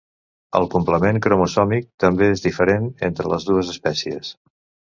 El complement cromosòmic també és diferent entre les dues espècies.